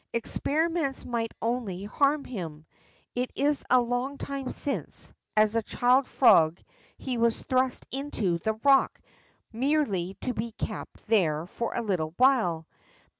Experiments might only hann him. It is a long time since, as a child frog, he was thrust into the rock merely to be kept there for a little while.